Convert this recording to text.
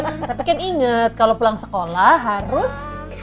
tapi kan inget kalau pulang sekolah harus